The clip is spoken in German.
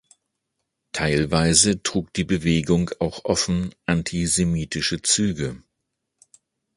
Teilweise trug die Bewegung auch offen antisemitische Züge.